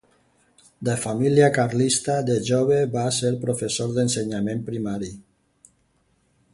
De família carlista, de jove va ser professor d'ensenyament primari.